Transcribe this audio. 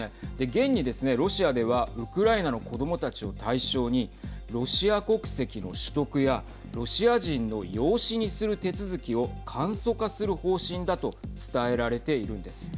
現に、ロシアではウクライナの子どもたちを対象にロシア国籍の取得やロシア人の養子にする手続きを簡素化する方針だと伝えられているんです。